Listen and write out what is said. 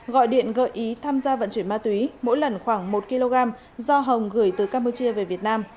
gọi điện gợi ý tham gia vận chuyển ma túy mỗi lần khoảng một kg do hồng gửi từ campuchia về việt nam